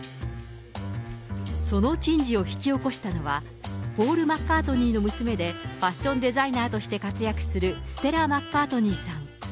その珍事を引き起こしたのは、ポール・マッカートニーの娘でファッションデザイナーとして活躍するステラ・マッカートニーさん。